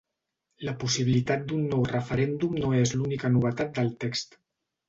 La possibilitat d’un nou referèndum no és l’única novetat del text.